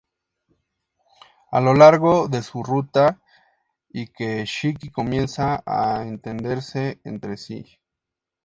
A lo largo de su ruta y que Shiki comienza a entenderse entre sí.